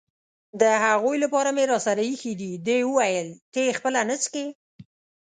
د هغوی لپاره مې راسره اېښي دي، دې وویل: ته یې خپله نه څښې؟